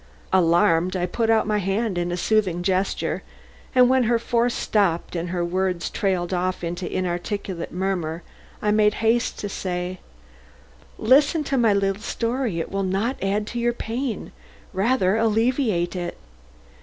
Alarmed, I put out my hand in a soothing gesture, and when her voice stopped and her words trailed off into an inarticulate murmur I made haste to say: "Listen to my little story. It will not add to your pain, rather alleviate it.